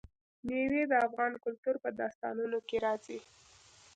مېوې د افغان کلتور په داستانونو کې راځي.